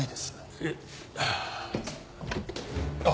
いえああ。